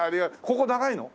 ここ長いの？